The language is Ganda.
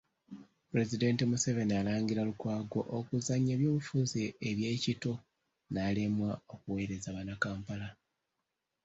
Pulezidenti Museveni alangira Lukwago okuzannya eby’obufuzi eby’ekito n'alemwa okuweereza Bannakampala.